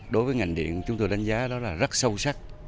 đối với ngành điện chúng tôi đánh giá đó là rất sâu sắc